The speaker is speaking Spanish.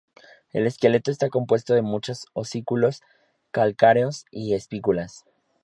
El esqueleto está compuesto de muchas osículos calcáreos y espículas.